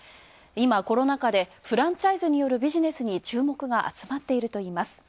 今、コロナ禍でフランチャイズによるビジネスに注目が集まっているといいます。